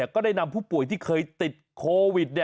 ก็ได้นำผู้ป่วยที่เคยติดโควิด